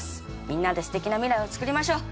みんなで素敵な未来を作りましょう！